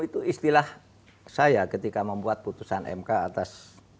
itu istilah saya ketika membuat putusan mk atas